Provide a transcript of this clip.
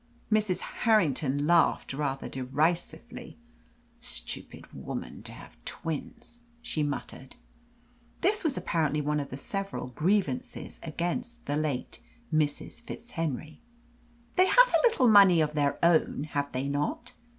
Mrs. Harrington laughed rather derisively. "Stupid woman to have twins," she muttered. This was apparently one of several grievances against the late Mrs. FitzHenry. "They have a little money of their own, have they not?"